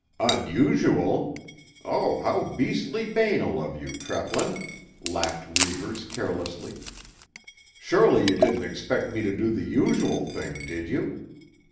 "Unusual! Oh, how beastly banal of you, Treplin!" laughed Reivers carelessly. "Surely you didn't expect me to do the usual thing, did you?